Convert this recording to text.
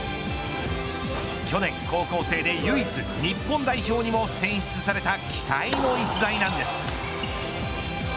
去年、高校生で唯一日本代表にも選出された期待の逸材なんです。